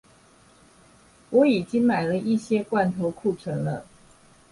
我已經買了一些罐頭庫存了